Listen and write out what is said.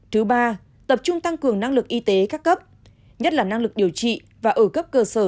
thứ ba tập trung tăng cường năng lực y tế các cấp nhất là năng lực điều trị và ở cấp cơ sở